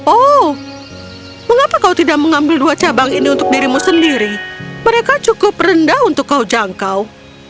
oh mengapa kau tidak mengambil dua cabang ini untuk dirimu sendiri mereka cukup rendah untuk kau jangkau